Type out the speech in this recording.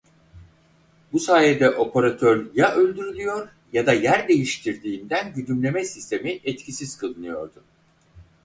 Bu sayede operatör ya öldürülüyor ya da yer değiştirdiğinden güdümleme sistemi etkisiz kılınıyordu.